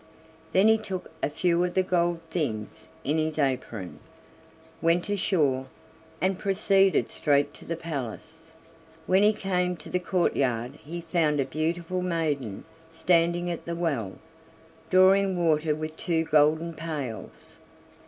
Then he took a few of the gold things in his apron, went ashore, and proceeded straight to the palace. When he came to the courtyard he found a beautiful maiden standing at the well, drawing water with two golden pails.